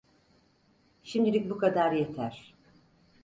Şimdilik bu kadar yeter.